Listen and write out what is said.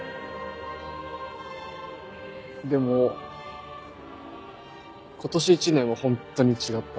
でも今年一年はホントに違った。